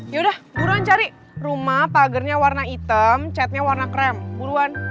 ya udah buruan cari rumah pagernya warna hitam catnya warna krem buruan